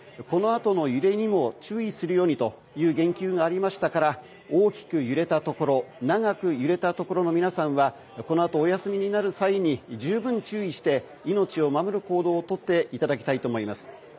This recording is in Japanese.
このあとの揺れにも注意するようにと言及がありましたから大きく揺れたところ長く揺れたところの皆さんはこのあと、お休みになる際に十分注意して命を守る行動をとっていただきたいと思います。